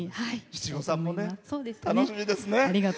七五三も楽しみですね。